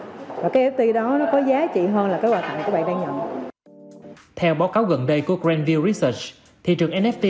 hơn là cái quà tặng các bạn đang nhận theo báo cáo gần đây của grandview research thị trường nft